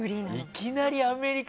いきなりアメリカ。